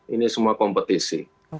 ini semua kompetisi